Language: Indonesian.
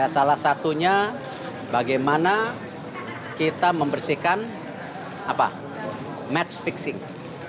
salah satunya bagaimana kita membersihkan match fixing